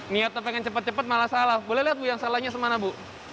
niatnya pengen cepat cepat malah salah boleh lihat bu yang salahnya semana bu